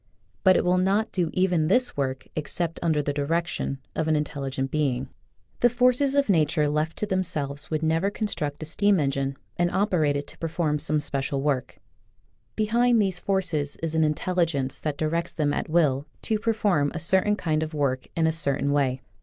But it will not do even this work except under the direc tion of an intelligent being. The forces of 48 Original from UNIVERSITY OF WISCONSIN JEMiffR lte "Relation to Xlte. 49 nature left to themselves would never con struct a steam engine and operate it to per form some special work. Behind these forces is an intelligence that directs them at will to perform a certain kind of work in a certain way.